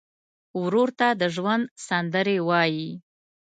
ورور ته د ژوند سندرې وایې.